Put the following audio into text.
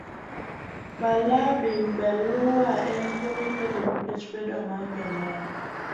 Balaa bin beleua en tuwo mikelo nikech bedo maonge ler.